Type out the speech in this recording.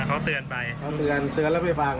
เขาเตือนไปเขาเตือนเตือนแล้วไม่ฟัง